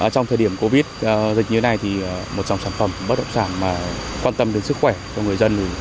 trong thời điểm covid dịch như thế này một trong sản phẩm bất động sản quan tâm đến sức khỏe của người dân